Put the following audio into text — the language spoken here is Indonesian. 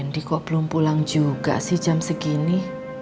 andi kok belum pulang juga sih jam segini